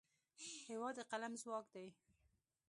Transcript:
هېواد د قلم ځواک دی.